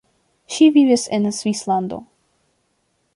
Ŝi vivis en Svislando.